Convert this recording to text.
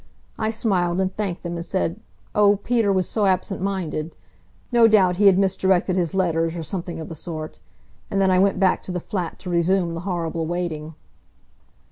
I smiled, and thanked them, and said, oh, Peter was so absent minded! No doubt he had misdirected his letters, or something of the sort. And then I went back to the flat to resume the horrible waiting.